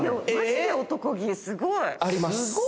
男気、すごい。あります。